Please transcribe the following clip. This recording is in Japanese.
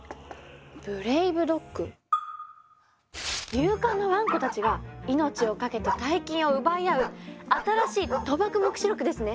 勇敢なワンコたちが命をかけて大金を奪い合う新しい「賭博黙示録」ですね